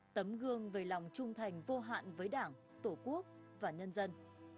tấm gương về lòng trung thành vô hạn với đảng tổ quốc và nhân dân